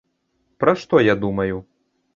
Пра што я думаю!